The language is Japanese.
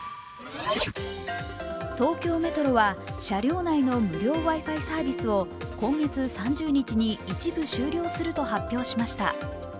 東京メトロは車両内の無料Ｗｉ−Ｆｉサービスを今月３０日に一部終了すると発表しました。